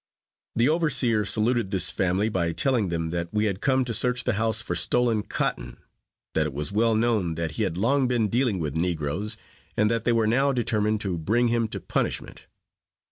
The overseer saluted this family by telling them that we had come to search the house for stolen cotton. That it was well known that he had long been dealing with negroes, and they were now determined to bring him to punishment.